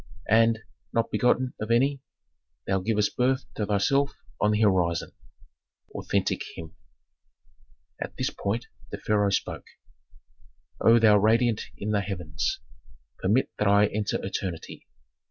_ "And, not begotten of any, thou givest birth to thyself on the horizon." Authentic hymn. At this point the pharaoh spoke: "O thou radiant in the heavens! Permit that I enter eternity.